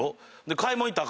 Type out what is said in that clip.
買い物行ったらあ